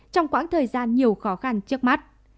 trong quãng thời gian nhiều khó khăn trước mắt